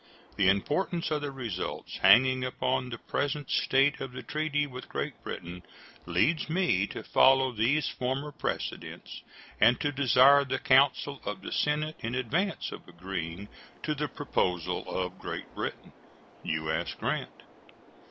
The importance of the results hanging upon the present state of the treaty with Great Britain leads me to follow these former precedents and to desire the counsel of the Senate in advance of agreeing to the proposal of Great Britain. U.S. GRANT.